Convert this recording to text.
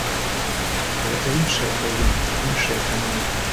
Гэта іншая краіна, іншая эканоміка.